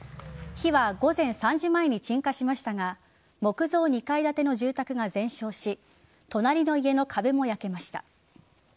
火は午前３時前に鎮火しましたが木造２階建ての住宅が全焼し隣の家の壁も焼けました。